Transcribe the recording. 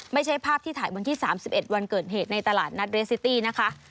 ไม่ใช่ภาพที่ถ่ายวันที่๓๑วันเกิดเหตุในตลาดนัดเรสซิตี้นะคะ